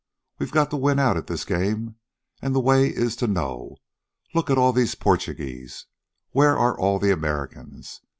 "We've got to win out at this game, and the way is to know. Look at all these Portuguese. Where are all the Americans?